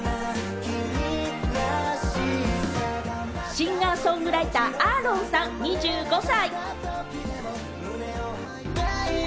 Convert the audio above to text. シンガー・ソングライター、ＡＡＲＯＮさん２５歳。